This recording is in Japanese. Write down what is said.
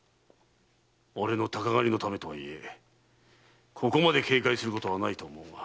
俺の鷹狩りのためとはいえここまで警戒することはないと思うが。